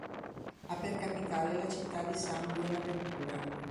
Ha per capitale la città di San Buenaventura.